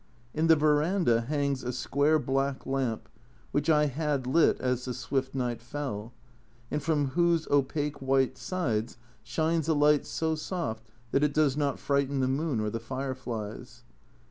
In the verandah hangs a square black lamp which I had lit as the swift night fell, and from whose opaque white sides shines a light so soft that it does not frighten the moon or the fire flies.